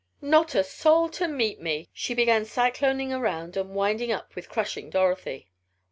"Not a soul to meet me!" she began cycloning around and winding up with crushing Dorothy.